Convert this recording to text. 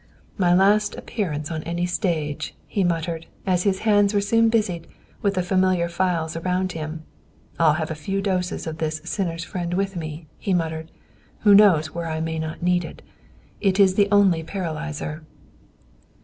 "My last appearance on any stage," he muttered, as his hands were soon busied with the familiar phials around him. "I'll have a few doses of this 'Sinner's Friend' with me," he muttered. "Who knows where I may not need it. It is the only paralyzer."